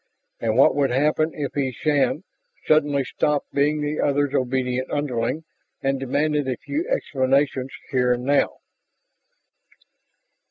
And what would happen if he, Shann, suddenly stopped being the other's obedient underling and demanded a few explanations here and now?